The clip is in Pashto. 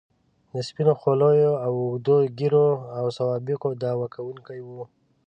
د سپینو خولیو، اوږدو ږیرو او سوابقو دعوه کوونکي وو.